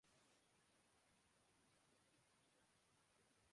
ہر آنے والا دن اس کے عجائب سے پردہ اٹھا رہا ہے۔